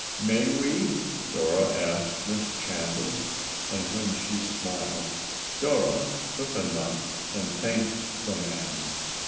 "May we?" Dora asked Miss Chandler, and when she smiled, Dora took a nut and thanked the man.